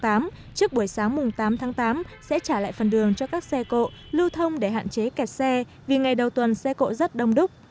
trước buổi sáng mùng tám tháng tám sẽ trả lại phần đường cho các xe cộ lưu thông để hạn chế kẹt xe vì ngày đầu tuần xe cộ rất đông đúc